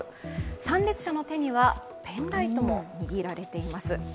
参列者の手にはペンライトも握られています。